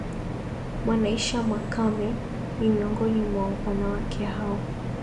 Mwanaisha Makame ni miongoni mwa wanawake hao